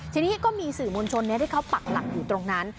ทีนี้ก็มีสื่อมวลชนที่เขาปักหลักอยู่ตรงนั้น